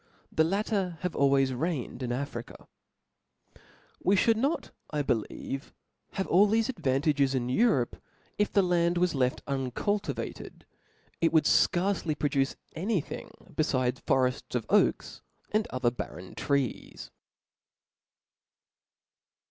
The latter have always reigned in A Book rnca. Chap. xp. We Ihould not, I believe, have all thefe advan tages in Europe, if the land was left uncultivated ; jt woujd fcarce produce any thing befides forefts of oal^ and other barren trees.